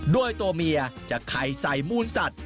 ตัวเมียจะไข่ใส่มูลสัตว์